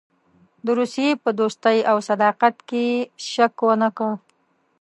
د روسیې په دوستۍ او صداقت کې یې شک ونه کړ.